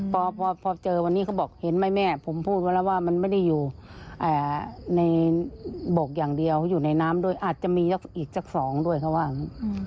พอเจอวันนี้เขาบอกเห็นไหมแม่ผมพูดไว้แล้วว่ามันไม่ได้อยู่ในบกอย่างเดียวอยู่ในน้ำด้วยอาจจะมีอีกสักสองด้วยเขาว่างั้น